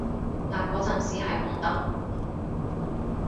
但嗰陣時係紅燈